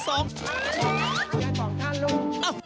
สปา๒ท่านลุง